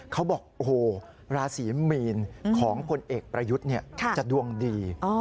เขาบอกโอ้โหราศีมีนของพลเอกประยุทธ์จะดวงดี